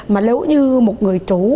mà nếu như một người chú